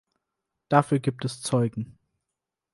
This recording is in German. Dafür gibt es Zeugen!